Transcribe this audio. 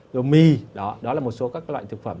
rồi mì đó là một số các loại thực phẩm